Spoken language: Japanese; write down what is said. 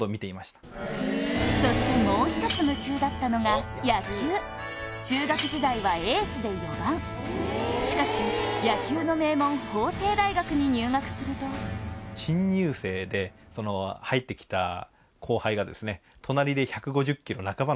そしてもう１つ夢中だったのが中学時代はしかし野球の名門法政大学に入学すると新入生で入って来た後輩が。